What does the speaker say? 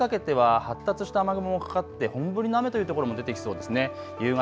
特に夕方にかけては発達した雨雲もかかって本降りの雨という所も出てきそうです。